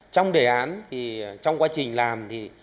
trong đề án trong quá trình làm